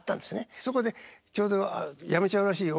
そこでちょうど「辞めちゃうらしいよ。